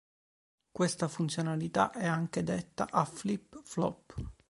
Questa funzionalità è anche detta a flip-flop.